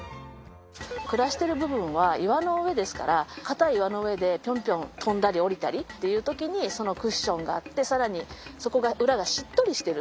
暮らしている部分は岩の上ですから固い岩の上でピョンピョン跳んだり下りたりっていう時にそのクッションがあって更にそこが裏がしっとりしてる。